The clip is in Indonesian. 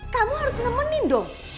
kamu harus nemenin dong